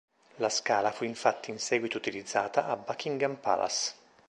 La scala fu infatti in seguito utilizzata a Buckingham Palace.